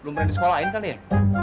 belum pernah disekolahin kali ya